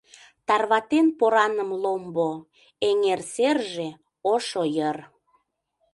Тарватен пораным ломбо: Эҥер серже ошо йыр.